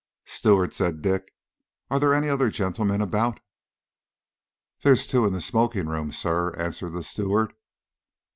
"Steward," said Dick, "are there any other gentlemen about?" "There's two in the smoking room, sir," answered the steward.